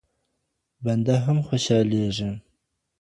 بنده هم خوشحاليږي.